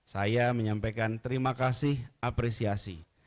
saya menyampaikan terima kasih apresiasi